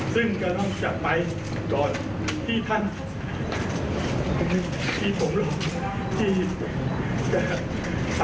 แสดงว่ากฆาตาชีวิตกฆาตาเวท